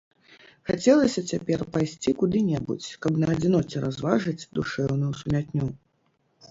Хацелася цяпер пайсці куды-небудзь, каб на адзіноце разважыць душэўную сумятню.